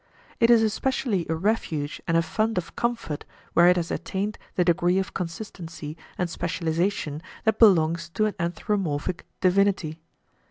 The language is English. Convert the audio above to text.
It is especially a refuge and a fund of comfort where it has attained the degree of consistency and specialization that belongs to an anthropomorphic divinity.